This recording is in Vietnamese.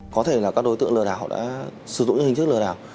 có thể là các đối tượng lừa đảo đã sử dụng những hình thức lừa đảo